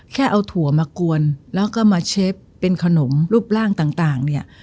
แค่เอาถั่วมากวนแล้วก็มาเชฟเป็นขนมรูปร่างต่างเนี่ย